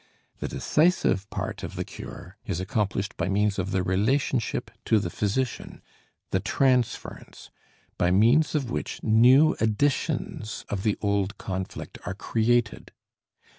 The decisive part of the cure is accomplished by means of the relationship to the physician, the transference, by means of which new editions of the old conflict are created.